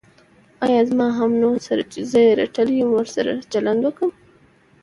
ایا زما همنوعو سره چې زه یې رټلی یم، وړ چلند کوې.